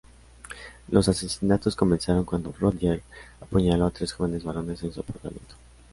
Los asesinatos comenzaron cuando Rodger apuñaló a tres jóvenes varones en su apartamento.